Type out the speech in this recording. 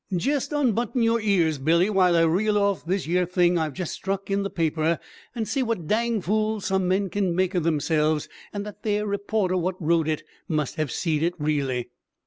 Jest unbutton yer ears, Billy, while I reel off this yer thing I've jest struck in the paper, and see what d d fools some men kin make o' themselves. And that theer reporter wot wrote it must hev seed it reely!"